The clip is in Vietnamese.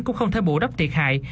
cũng không thể bổ đắp thiệt hại